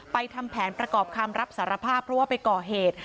ทำแผนประกอบคำรับสารภาพเพราะว่าไปก่อเหตุ